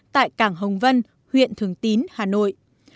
tại cảng hồng vân huyện thường tín hà nội